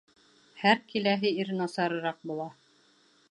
Һәр киләһе ир насарыраҡ була.